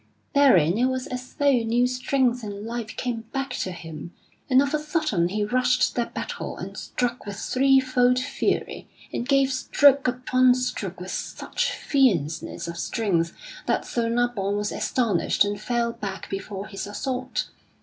Therewith it was as though new strength and life came back to him, and of a sudden he rushed that battle, and struck with threefold fury, and gave stroke upon stroke with such fierceness of strength that Sir Nabon was astonished and fell back before his assault.